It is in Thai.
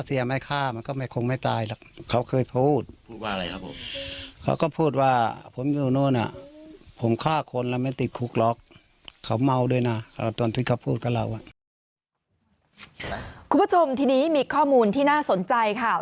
ตอนที่เขาพูดกับเราอ่ะคุณผู้ชมที่นี้มีข้อมูลที่น่าสนใจค่ะ